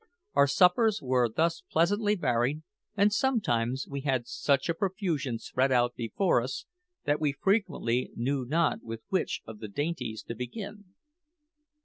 Our suppers were thus pleasantly varied, and sometimes we had such a profusion spread out before us that we frequently knew not with which of the dainties to begin.